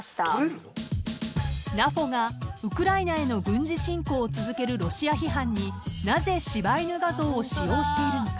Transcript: ［ＮＡＦＯがウクライナへの軍事侵攻を続けるロシア批判になぜ柴犬画像を使用しているのか］